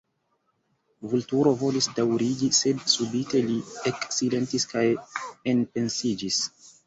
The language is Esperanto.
Vulturo volis daŭrigi, sed subite li eksilentis kaj enpensiĝis.